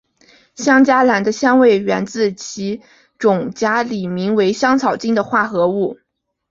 香荚兰的香味源自其种荚里名为香草精的化合物。